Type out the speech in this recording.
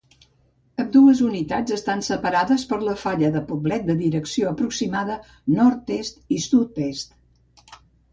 Ambdues unitats estan separades per la falla de Poblet de direcció aproximada nord-est i sud-oest.